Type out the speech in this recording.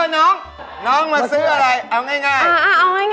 เอ้าน้องมาซื้ออะไร